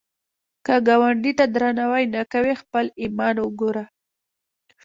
که ګاونډي ته درناوی نه کوې، خپل ایمان وګوره